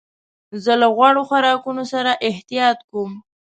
زه له غوړو خوراکونو سره احتياط کوم.